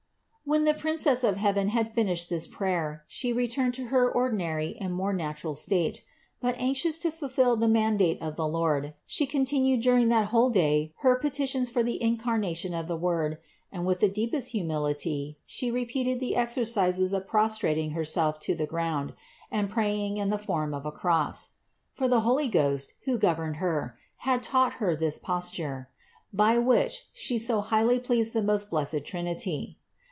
12. When the Princess of heaven had finished this prayer, She returned to her ordinary and more natural state ; but anxious to fulfill the mandate of the Lord, She continued during that whole day her petitions for the Incarnation of the Word and with the deepest humility She repeated the exercises of prostrating Herself to the ground and praying in the form of a cross. For the Holy Ghost,, who governed Her, had taught Her this posture, by which She so highly pleased the most blessed Trinity.